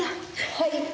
はい。